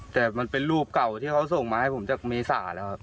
แต่มันเป็นรูปเก่าที่เขาส่งมาให้ผมจากเมษาแล้วครับ